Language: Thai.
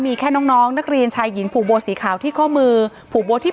มีแค่น้องน้องนักเรียนชายหญิงผูกโบสีขาวที่ข้อมือผูกโบที่